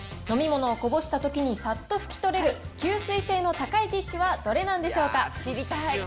飲み物をこぼしたときにさっと拭き取れる、吸水性の高いティッシュはどれなんでしょうか。